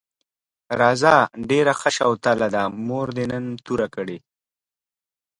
راځه ډېره ښه شوتله ده، مور دې نن توره کړې.